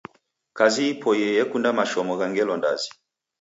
Kazi ipoiye yekunda mashomo gha ngelo ndazi